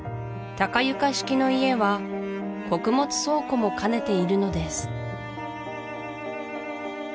高床式の家は穀物倉庫も兼ねているのです